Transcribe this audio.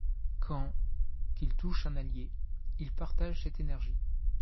Quand qu'il touche un allié, il partage cette énergie.